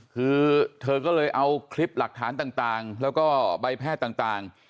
คือเธอก็เลยเอาคลิปหลักฐานต่างแล้วก็ใบแพทย์ต่าง